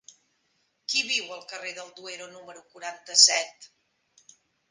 Qui viu al carrer del Duero número quaranta-set?